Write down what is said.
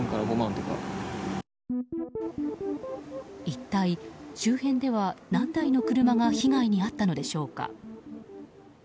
一体、周辺では何台の車が被害に遭ったのでしょうか。